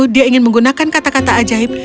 dia ingin menggunakan kata kata ajaib